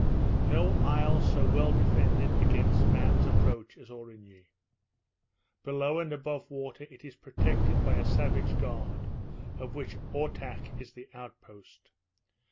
No isle so well defended against man's approach as Aurigny. Below and above water it is protected by a savage guard, of which Ortach is the outpost.